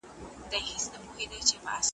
نوش جان دي سه زما غوښي نوشوه یې `